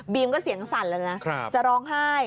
ก็เสียงสั่นแล้วนะจะร้องไห้